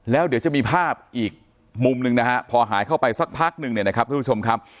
แล้วเดี๋ยวจะมีภาพอีกมุมหนึ่งนะฮะพอหายเข้าไปสักพักนึงเนี่ยนะครับทุกผู้ชมครับ